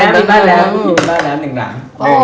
มีบ้านแล้ว๑หลาง